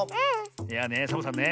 いやねサボさんね